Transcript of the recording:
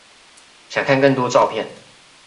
想看更多照片